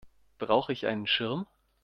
Brauche ich einen Schirm?